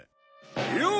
よう！